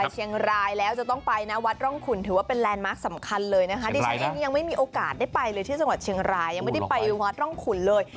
เชียงรายแล้วจะต้องไปนะวัดร่องขุนถือว่าเป็นแลนดมาร์คสำคัญเลยนะคะดิฉันเองยังไม่มีโอกาสได้ไปเลยที่จังหวัดเชียงรายยังไม่ได้ไปวัดร่องขุนเลย